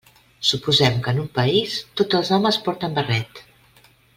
Suposem que en un país tots els homes porten barret.